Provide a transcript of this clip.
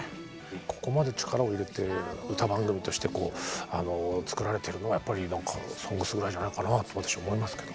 ここまで力を入れて歌番組としてこう作られているのはやっぱり「ＳＯＮＧＳ」ぐらいじゃないかなと私、思いますけど。